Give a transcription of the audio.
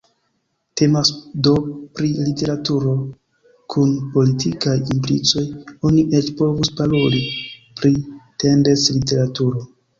Temas do pri literaturo kun politikaj implicoj, oni eĉ povus paroli pri “tendenc-literaturo”.